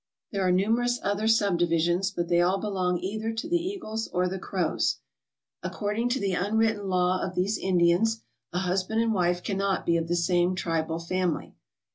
There are numerous other subdivisions, but they all belong either to the Eagles or the Crows. According to the unwritten law of these Indians, a husband and wife cannot be of the same tribal family.